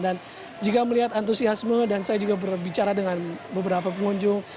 dan jika melihat antusiasme dan saya juga berbicara dengan beberapa pengunjung